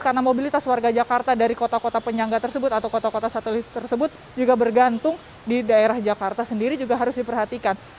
karena mobilitas warga jakarta dari kota kota penyangga tersebut atau kota kota satelit tersebut juga bergantung di daerah jakarta sendiri juga harus diperhatikan